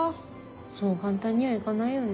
そう簡単には行かないよね。